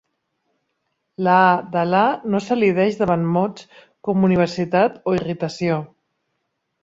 La "a" de "la" no s'elideix davant mots com "universitat" o "irritació".